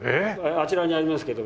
あちらにありますけど。